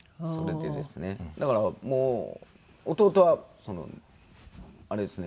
だからもう弟はあれですね。